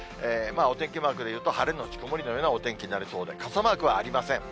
お天気マークで言うと、晴れ後曇りのようなお天気になりそうで、傘マークはありません。